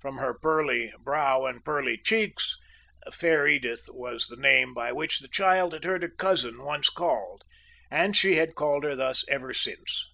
From her pearly brow and pearly cheeks, "Fair Edith" was the name by which the child had heard her cousin once called, and she had called her thus ever since.